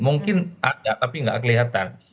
mungkin ada tapi nggak kelihatan